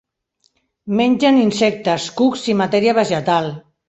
Mengen insectes, cucs i matèria vegetal.